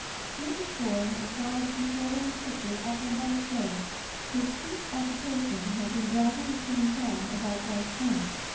Heretofore, aside from carrying the pitcher up and down stairs, his chief occupation had been dragging a tin can about by a string.